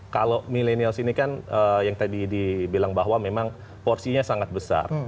kalau milenials ini kan yang tadi dibilang bahwa memang porsinya sangat besar